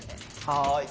はい。